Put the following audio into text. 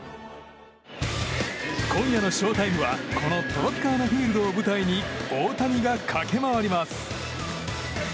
今夜のショータイムはこのトロピカーナ・フィールドを舞台に大谷が駆け回ります。